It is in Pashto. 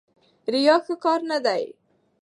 ریا ښه کار نه دی.